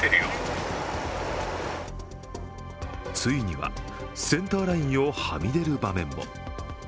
ついにはセンターラインをはみ出る場面も。